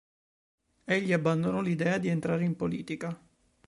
Egli abbandonò l'idea di entrare in politica.